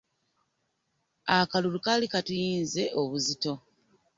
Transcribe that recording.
Akalulu kaali katuyinze obuzito.